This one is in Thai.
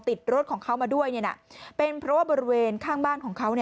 ติดรถของเขามาด้วยเป็นเพราะว่าบริเวณข้างบ้านของเขา